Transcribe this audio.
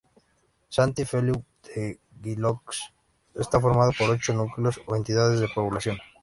Sant Feliu de Guíxols está formado por ocho núcleos o entidades de población.